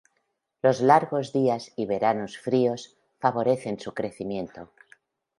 Los largos días y veranos fríos favorecen su crecimiento.